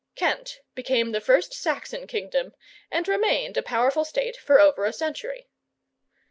] Kent became the first Saxon kingdom, and remained a powerful state for over a century.